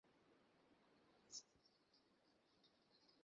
তোমার বন্ধুর খবর তো আর চাপা রইল না–ঢাক বেজে উঠেছে।